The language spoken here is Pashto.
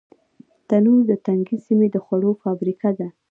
تنور د تنګې سیمې د خوړو فابریکه ده